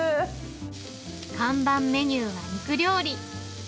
看板メニューは肉料理。